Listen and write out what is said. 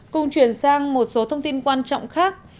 cùng chuyển sang một số thông tin quan trọng khác